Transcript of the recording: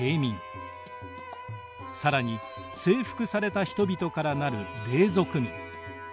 更に征服された人々から成る隷属民。